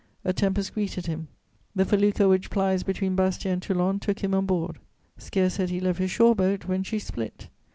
A tempest greeted him: the felucca which plies between Bastia and Toulon took him on board. Scarce had he left his shore boat, when she split.